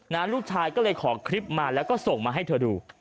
ลูกชายก็เลยขอคลิปมาแล้วก็ส่งมาให้เธอดู